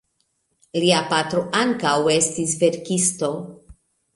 Lia patro ankaŭ estis verkisto.